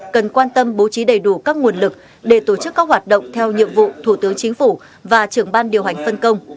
cần quan tâm bố trí đầy đủ các nguồn lực để tổ chức các hoạt động theo nhiệm vụ thủ tướng chính phủ và trưởng ban điều hành phân công